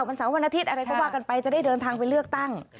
วันเสาร์วันอาทิตย์อะไรก็ว่ากันไปจะได้เดินทางไปเลือกตั้ง